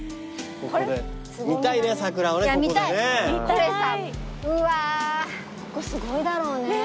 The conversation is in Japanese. ここすごいだろうね。